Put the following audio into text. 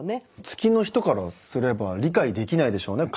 月の人からすれば理解できないでしょうね。